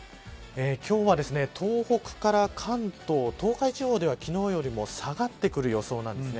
今日は東北から関東東海地方では昨日よりも下がってくる予想なんです。